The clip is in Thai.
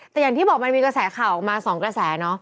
แต่อย่างที่บอกมันมีกระแสข่าวออกมา๒กระแสเนาะ